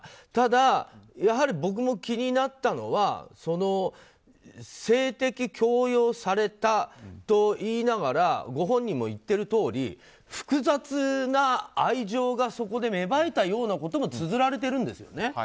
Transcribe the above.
ただ、やはり僕も気になったのは性的強要されたといいながらご本人も言っているとおり複雑な愛情がそこで芽生えたようなこともつづられてるんですよね。